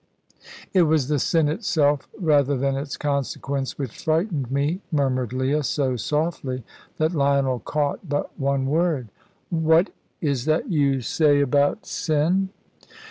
"It was the sin itself rather than its consequence which frightened me," murmured Leah, so softly that Lionel caught but one word. "What is that you say about sin?"